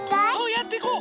やっていこう。